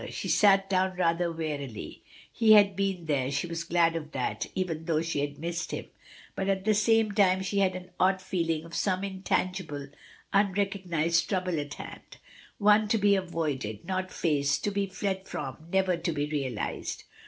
She sat down rather wearily, he had been there, she was glad of that, even though she had missed him; but at the same time she had an odd feeling of some intangible, unrecognised trouble at hand, one to be avoided, not faced, to be fled from, never to be realised.